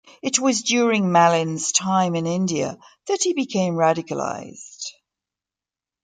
It was during Mallin's time in India that he became radicalised.